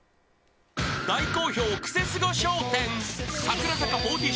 大好評クセスゴ笑